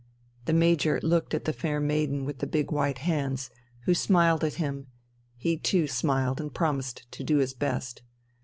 The Major looked at the fair maiden with the big white hands, who smiled at him; he too smiled and promised to do his best.